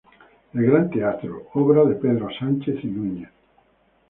El Gran Teatro, obra de Pedro Sánchez y Núñez.